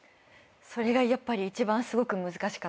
それがやっぱり一番すごく難しかったです。